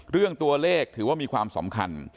เรื่องตัวเลขถือว่ามีความสำคัญ